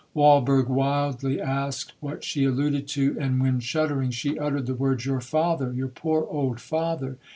Walberg wildly asked what she alluded to; and when, shuddering, she uttered the words,—'Your father,—your poor old father!'